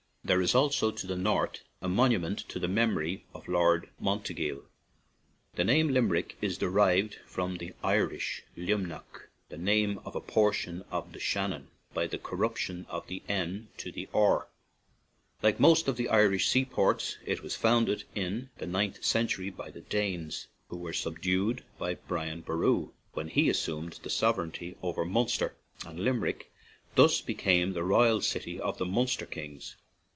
There is also, to the north, a monument to the memory of Lord Mont eagle. The name " Limerick" is derived from the Irish Luimneach, the name of a por 121 ON AN IRISH JAUNTING CAR tion of the Shannon, by the corruption of n to r. Like most of the Irish seaports, it was founded in the ninth century by the Danes, who were subdued by Brian Boru when he assumed the sovereignty over Munster, and Limerick thus became the royal city of the Munster kings.